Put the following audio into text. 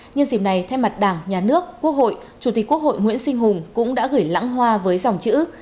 nhân dịp này thay mặt đảng nhà nước quốc hội chủ tịch quốc hội nguyễn sinh hùng cũng đã gửi lãng hoa với dòng chữ